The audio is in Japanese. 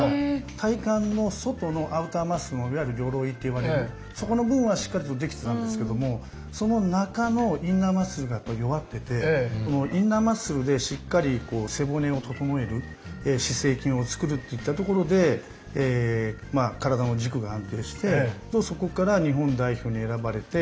体幹の外のアウターマッスルのいわゆる「鎧」と呼ばれるそこの部分はしっかりとできてたんですけどもその中のインナーマッスルが弱っててインナーマッスルでしっかり背骨を整える姿勢筋をつくるっていったところで体の軸が安定してそこから日本代表に選ばれて。